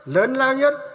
lớn lao nhất